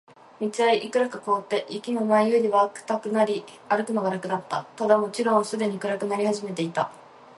道はいくらか凍って、雪も前よりは固くなり、歩くのが楽だった。ただ、もちろんすでに暗くなり始めていた。